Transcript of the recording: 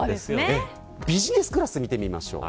ビジネスクラスを見てみましょう。